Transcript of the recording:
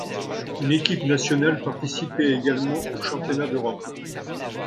Une équipe nationale participait également aux Championnats d'Europe.